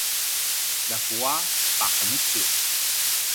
ljakua paqenetju